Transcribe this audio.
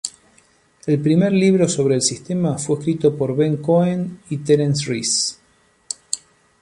El primer libro sobre el sistema fue escrito por Ben Cohen y Terence Reese.